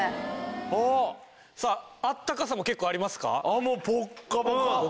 さああったかさも結構ありますか？